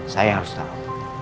saya harus tahu